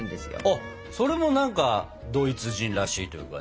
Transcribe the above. あっそれも何かドイツ人らしいというかね。